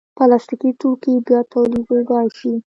پلاستيکي توکي بیا تولیدېدای شي.